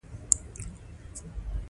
تهکوي زموږ په سر ړنګه شوې وه